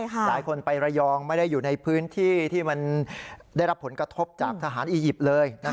หลายคนไประยองไม่ได้อยู่ในพื้นที่ที่มันได้รับผลกระทบจากทหารอียิปต์เลย